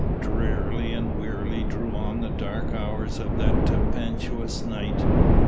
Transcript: Drearily and wearily drew on the dark hours of that tempestuous night.